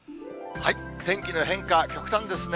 天気の変化、極端ですね。